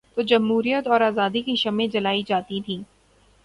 تو جمہوریت اور آزادی کی شمعیں جلائی جاتی تھیں۔